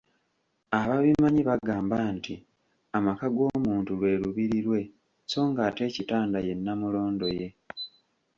Ababimanyi bagamba nti amaka g‘omuntu lwe lubiri lwe so nga ate ekitanda ye Nnamulondo ye.